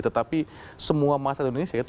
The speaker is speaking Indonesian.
tetapi semua masyarakat indonesia itu